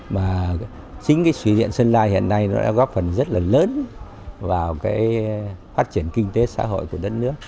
mà chính cái thủy điện sơn la hiện nay nó đã góp phần rất là lớn vào cái phát triển kinh tế xã hội của đất nước